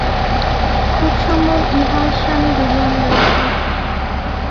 খুব সম্ভব, ইহার স্বামী ডুবিয়া মরিয়াছে।